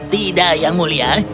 tidak ya ngulia